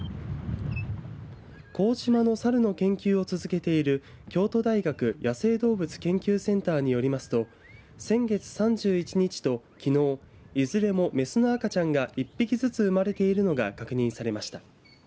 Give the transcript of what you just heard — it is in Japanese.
幸島のサルの研究を続けている京都大学野生動物研究センターによりますと先月３１日ときのういずれもメスの赤ちゃんが１匹ずつ生まれているのが確認されました。